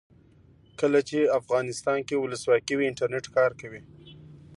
کله چې افغانستان کې ولسواکي وي انټرنیټ کار کوي.